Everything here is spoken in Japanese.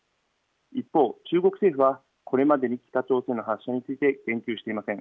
一方、中国政府はこれまでに北朝鮮の発射について言及していません。